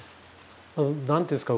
何ていうんですか？